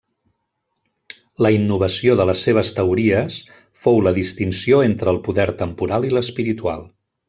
La innovació de les seves teories fou la distinció entre el poder temporal i l'espiritual.